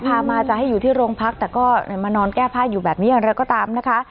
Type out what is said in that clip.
พามาจะให้อยู่ที่โรงพักแต่ก็มานอนแก้ผ้าอยู่แบบนี้อย่างไรก็ตามนะคะ